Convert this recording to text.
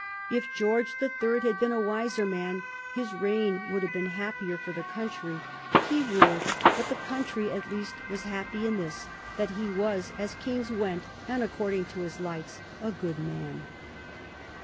If George the Third had been a wiser man his reign would have been happier for the country he ruled; but the country at least was happy in this, that he was, as kings went, and according to his lights, a good man.